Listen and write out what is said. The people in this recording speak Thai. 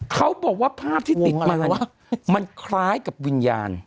เขาบอกว่าภาพที่ติดมามันคล้ายกับวิญญาณ